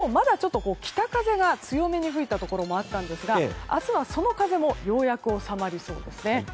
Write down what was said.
今日、まだちょっと北風が強めに吹いたところもあったんですが明日はその風もようやく収まりそうです。